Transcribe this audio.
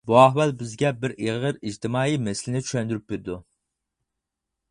بۇ ئەھۋال بىزگە بىر ئېغىر ئىجتىمائىي مەسىلىنى چۈشەندۈرۈپ بېرىدۇ.